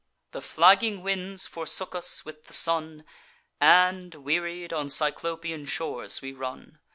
The flagging winds forsook us, with the sun; And, wearied, on Cyclopian shores we run.